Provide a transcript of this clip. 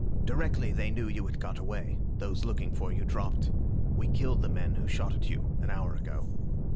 Directly they knew you had got away, those looking for you dropped. We killed the man who shot at you an hour ago.